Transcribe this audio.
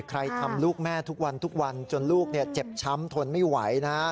ใครทำลูกแม่ทุกวันจนลูกเจ็บช้ำทนไม่ไหว